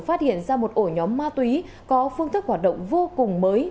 phát hiện ra một ổ nhóm ma túy có phương thức hoạt động vô cùng mới